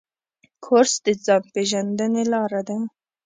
کورس د ځان پېژندنې لاره ده.